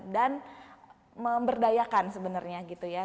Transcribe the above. dan memberdayakan sebenarnya gitu ya